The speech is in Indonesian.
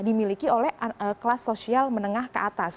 dimiliki oleh kelas sosial menengah ke atas